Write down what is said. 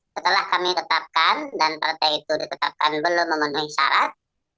setelah kami tetapkan dan partai itu ditetapkan belum memenuhi syarat